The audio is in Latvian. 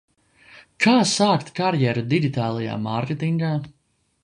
Kā sākt karjeru digitālajā mārketingā?